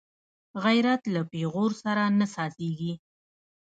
غیرت له پېغور سره نه سازېږي